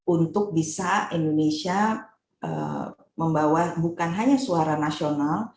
untuk bisa indonesia membawa bukan hanya suara nasional